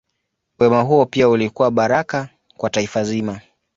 Wema huo pia ulikuwa baraka kwa taifa zima.